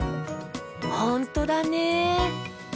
ほんとだね。